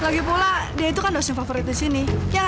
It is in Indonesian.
lagipula dia itu kan dosen favorit disini